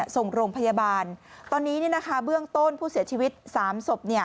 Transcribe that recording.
ส่งโรงพยาบาลตอนนี้เบื้องต้นผู้เสียชีวิต๓ศพ